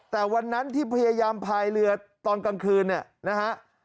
แต่วันนั้นที่พยายามพายเรือตอนกลางคืนเนี่ยนะฮะ